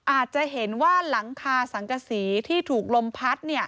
อาจจะเห็นว่าหลังคาสังกษีที่ถูกลมพัด